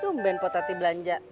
tumben bu tati belanja